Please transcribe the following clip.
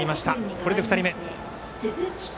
これで２人目。